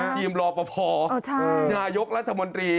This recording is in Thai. ทีมลอป่อพอนายกรัฐมนตรี